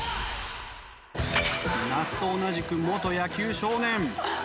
那須と同じく元野球少年